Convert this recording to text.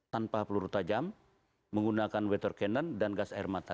tanpa peluru tajam menggunakan water cannon dan gas air mata